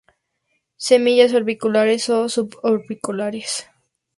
Semillas orbiculares o suborbiculares.